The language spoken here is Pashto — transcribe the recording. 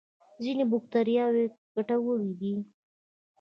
ځینې بکتریاوې ګټورې دي